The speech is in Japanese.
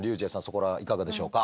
そこらはいかがでしょうか？